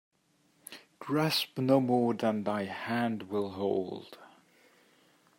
Grasp no more than thy hand will hold.